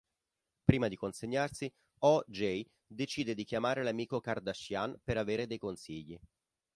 Prima di consegnarsi, O. J. decide di chiamare l'amico Kardashian per avere dei consigli.